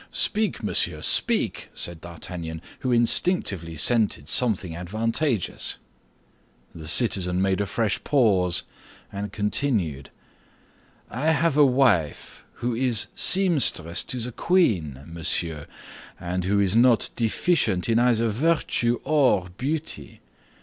"Speak, monsieur, speak," said D'Artagnan, who instinctively scented something advantageous. The citizen made a fresh pause and continued, "I have a wife who is seamstress to the queen, monsieur, and who is not deficient in either virtue or beauty.